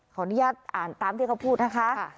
ขออนุญาตอ่านตามที่เขาพูดนะคะ